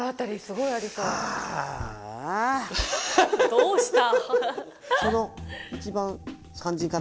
どうした？